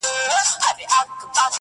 o چي کوچنى و نه ژاړي، مور شيدې نه ورکوي٫